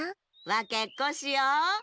わけっこしよう。